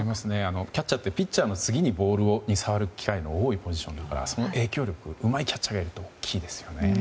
キャッチャーってピッチャーの次にボール触ることの多いポジションですからその影響力はうまいキャッチャーがやると大きいですよね。